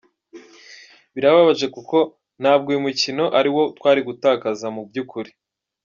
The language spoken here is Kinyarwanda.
Birababaje kuko ntabwo uyu mukino ari uwo twari gutakaza mu by’ukuri.